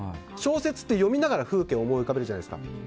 小説って読みながら風景を思い浮かべるじゃないですか。